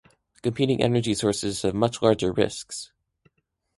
Competing energy sources have much larger risks.